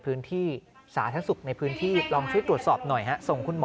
พื้นที่สาธารณสุขในพื้นที่ลองช่วยตรวจสอบหน่อยฮะส่งคุณหมอ